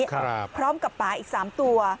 ครับพร้อมกับป่าอีก๓ตัว